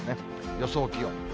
予想気温。